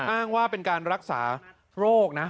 อ้างว่าเป็นการรักษาโรคนะ